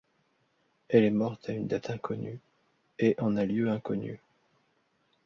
Elle est morte à une date inconnue et en un lieu inconnu.